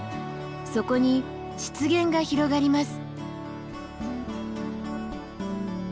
そこに湿原が広がります。